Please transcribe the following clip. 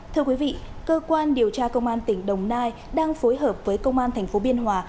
thưa quý vị cơ quan điều tra công an tỉnh đồng nai đang phối hợp với công an tp biên hòa